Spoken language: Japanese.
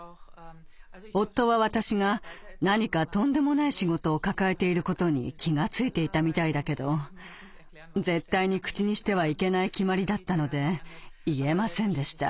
夫は私が何かとんでもない仕事を抱えていることに気が付いていたみたいだけど絶対に口にしてはいけない決まりだったので言えませんでした。